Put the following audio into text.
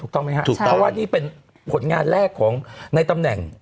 ถูกต้องไหมฮะเพราะว่านี้เป็นผลงานแรกในตำแหน่ง